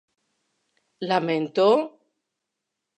Lamento?